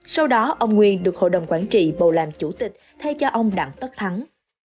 sau đó ông nguyên được hội đồng quản trị bầu làm chủ tịch thay cho ông đặng tất thắng